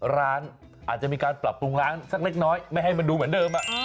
อาจจะมีการปรับปรุงร้านสักเล็กน้อยไม่ให้มันดูเหมือนเดิม